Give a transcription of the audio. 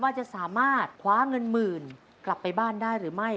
ว่าจะสามารถคว้าเงินหมื่นกลับไปบ้านได้หรือไม่